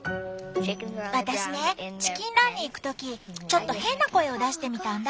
私ねチキンランに行く時ちょっと変な声を出してみたんだ。